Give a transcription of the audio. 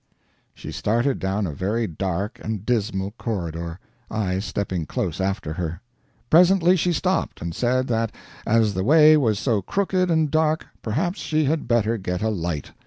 She started down a very dark and dismal corridor I stepping close after her. Presently she stopped, and said that, as the way was so crooked and dark, perhaps she had better get a light.